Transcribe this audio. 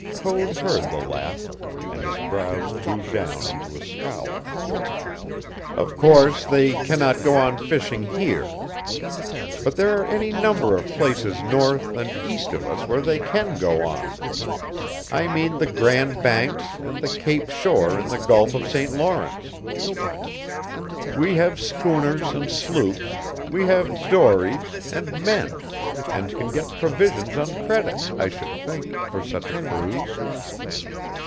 Code heard the laugh, and his brows drew down into a scowl. "Of course, they cannot go on fishing here. But there are any number of places north and east of us where they can go on. I mean the Grand Banks and the Cape Shore in the Gulf of St. Lawrence. We have schooners and sloops, we have dories, and men, and can get provisions on credit, I should think, for such a cruise.